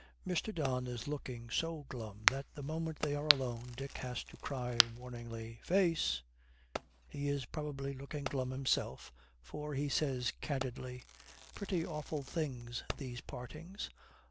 Mr. Don is looking so glum that the moment they are alone Dick has to cry warningly, 'Face!' He is probably looking glum himself, for he says candidly, 'Pretty awful things, these partings.